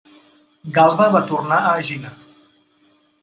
Galba va tornar a Egina.